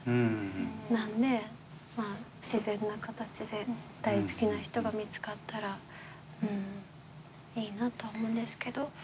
なんでまあ自然な形で大好きな人が見つかったらうんいいなとは思うんですけど。